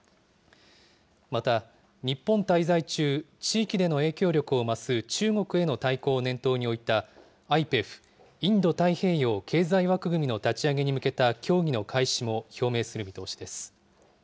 また、日本滞在中、地域での影響力を増す中国への対抗を念頭に置いた、ＩＰＥＦ・インド太平洋経済枠組みの立ち上げに向けた協議の開始も表明する見通しです。